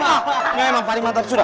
ya emang pari mantap sudah